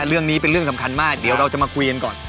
เรื่องนี้เป็นเรื่องสำคัญมากเดี๋ยวเราจะมาคุยกันก่อน